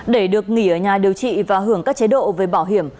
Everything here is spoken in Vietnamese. để được nghỉ ở nhà điều trị và hưởng các chế độ về bảo hiểm